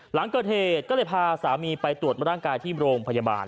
หลังเกิดเหตุก็เลยพาสามีไปตรวจร่างกายที่โรงพยาบาล